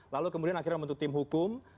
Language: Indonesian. lalu kemudian akhirnya membentuk tim hukum